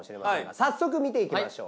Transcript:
早速見ていきましょう。